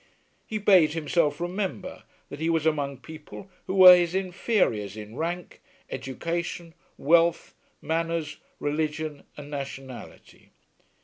He bade himself remember that he was among people who were his inferiors in rank, education, wealth, manners, religion and nationality.